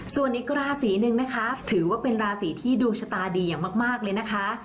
ส่วนอีกราศีหนึ่งนะคะถือว่าเป็นราศีที่ดวงชะตาดีอย่างมากเลยนะคะ